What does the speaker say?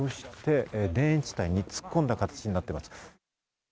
田園地帯に突っ込んだ形になっています。